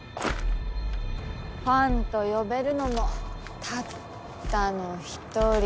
ファンと呼べるのもたったの一人。